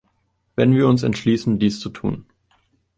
Wenn wir uns entschließen, dies zu tun.